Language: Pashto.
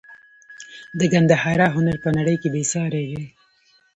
د ګندهارا هنر په نړۍ کې بې ساري دی